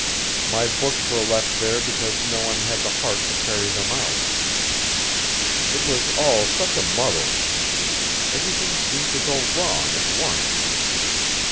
My books were left there because no one had the heart to carry them out. It was all such a muddle. Everything seemed to go wrong at once.